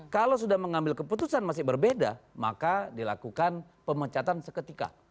kalau sudah mengambil keputusan masih berbeda maka dilakukan pemecatan seketika